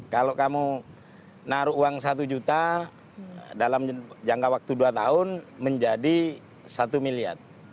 kalau kamu naruh uang satu juta dalam jangka waktu dua tahun menjadi satu miliar